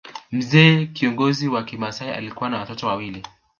Mzee kiongozi wa kimasai alikuwa na watoto wawili